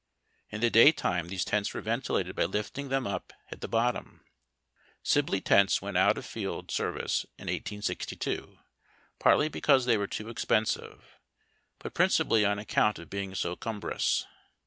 In the daytime these tents were ventihited by lifting tliem up at the bottom. Sibley tents went out of field ^ service in 1862, partly because they were too expensive, but principally on account of being so cumbrous.